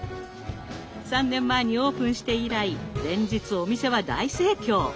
３年前にオープンして以来連日お店は大盛況。